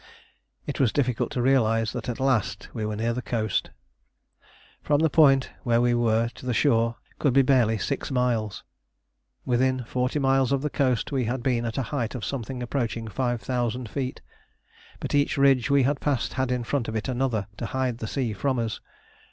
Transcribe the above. It was difficult to realise that at last we were near the coast. From the point where we were to the shore could be barely six miles. Within forty miles of the coast we had been at a height of something approaching 5000 feet, but each ridge we had passed had in front of it another to hide the sea from us.